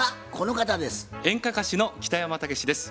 演歌歌手の北山たけしです。